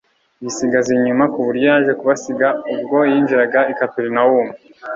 bisigaza inyuma ku buryo yaje kubasiga ubwo yinjiraga i Kaperinawumu.